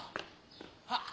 あっ！